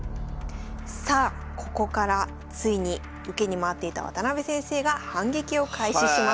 さあここからついに受けに回っていた渡辺先生が反撃を開始します。